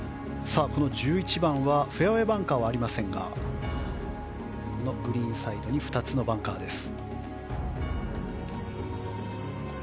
１１番はフェアウェーバンカーはありませんがグリーンサイドに２つのバンカーです。